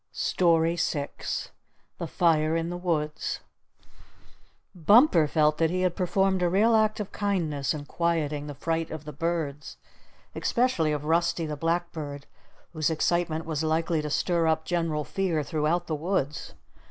STORY VI THE FIRE IN THE WOODS Bumper felt that he had performed a real act of kindness in quieting the fright of the birds, especially of Rusty the Blackbird, whose excitement was likely to stir up general fear throughout the woods.